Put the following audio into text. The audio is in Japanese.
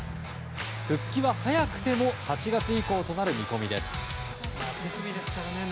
復帰は早くても８月以降となる見込みです。